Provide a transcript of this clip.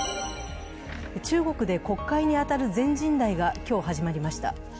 中国で国会に当たる全人代が今日始まりました。